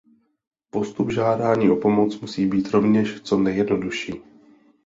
Postup žádání o pomoc musí být rovněž co nejjednodušší.